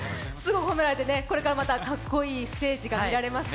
褒められて、これからまたかっこいいステージが見られますよ。